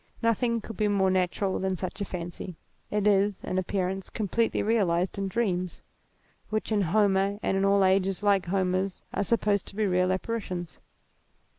Nothing could be more natural than such a fancy ; it is, in appearance, completely realized in dreams, which in Homer and in all ages like Homer's, are supposed to be real apparitions.